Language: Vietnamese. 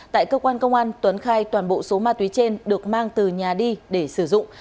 tại cơ quan công an tuấn khai toàn bộ số ma túy trên được mang từ nhà đi để sử dụng